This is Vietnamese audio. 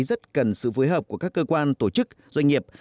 rất cần sự phối hợp của các cơ quan tổ chức doanh nghiệp